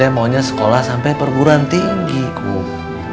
maunya sekolah sampai perguruan tinggi kum